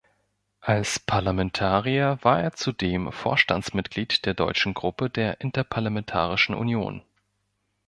Als Parlamentarier war er zudem Vorstandsmitglied der deutschen Gruppe der Interparlamentarischen Union.